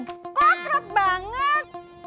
kok akrab banget